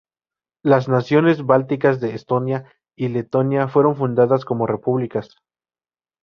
Las naciones bálticas de Estonia y Letonia fueron fundadas como repúblicas.